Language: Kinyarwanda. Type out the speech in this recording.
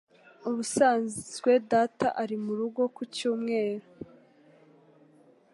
Ubusanzwe data ari murugo ku cyumweru.